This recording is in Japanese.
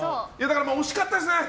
惜しかったですね。